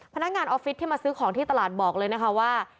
พนักงานออฟฟิศที่มาซื้อของที่ตลาดบอกเลยนะคะว่า